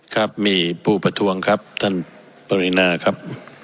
ครับมีผู้ประท้วงครับท่านปรินาครับ